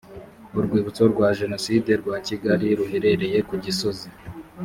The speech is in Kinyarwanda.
urwibutso rwa jenoside rwa kigali ruherereye ku gisozi